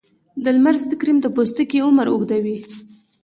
د لمر ضد کریم د پوستکي عمر اوږدوي.